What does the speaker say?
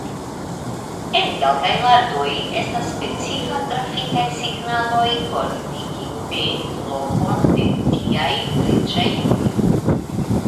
En kelkaj landoj estas specifa trafikaj signaloj por indiki pe lokon de tiaj preĝejoj.